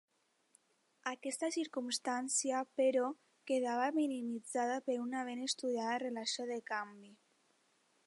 Aquesta circumstància, però, quedava minimitzada per una ben estudiada relació de canvi.